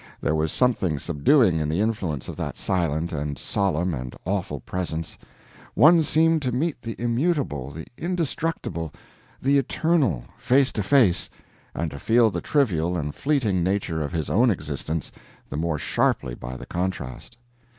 There was something subduing in the influence of that silent and solemn and awful presence; one seemed to meet the immutable, the indestructible, the eternal, face to face, and to feel the trivial and fleeting nature of his own existence the more sharply by the contrast.